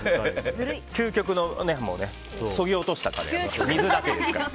究極のそぎ落としたカレーは水だけですから。